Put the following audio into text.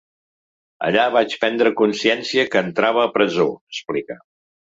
Allà vaig prendre consciència que entrava a presó, explica.